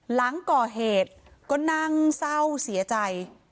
หลังก่อเหตุก็นั่งเศร้าเสียใจ